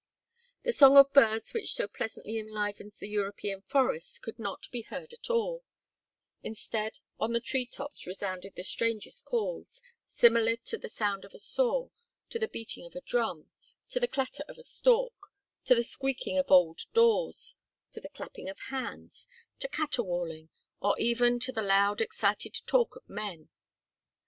The song of birds which so pleasantly enlivens the European forest could not be heard at all; instead, on the tree tops resounded the strangest calls, similar to the sound of a saw, to the beating of a drum, to the clatter of a stork, to the squeaking of old doors, to the clapping of hands, to caterwauling, or even to the loud, excited talk of men.